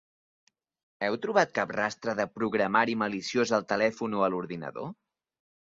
Heu trobat cap rastre de programari maliciós al telèfon o a l’ordinador?